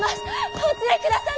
お連れくだされ！